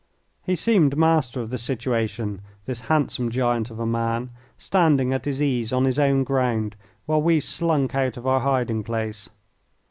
He seemed master of the situation, this handsome giant of a man, standing at his ease on his own ground while we slunk out of our hiding place.